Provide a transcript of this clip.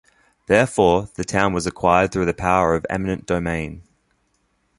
Therefore, the town was acquired through the power of eminent domain.